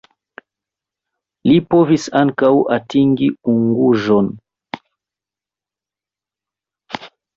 Li povis ankaŭ atingi Unguĵon.